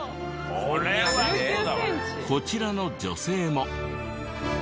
こちらの女性も。